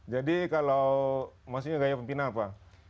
jadi kalau maksudnya gaya pemimpinan apa